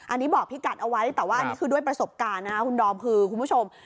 อันนี้บอกพี่กัดเอาไว้แต่ว่าอันนี้คือด้วยประสบการณ์นะครับคุณดอมคือคุณผู้ชม